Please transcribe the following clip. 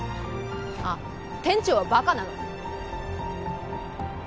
あっ店長はバカなの？